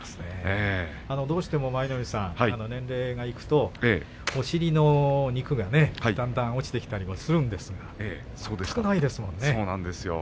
どうしても舞の海さん年齢からいきますとお尻の肉がね、だんだんと落ちてきたりするんですが全然落ちていませんよね。